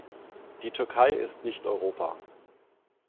Die Türkei ist nicht Europa.